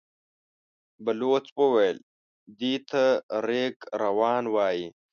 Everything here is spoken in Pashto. بلوڅ وويل: دې ته رېګ روان وايي.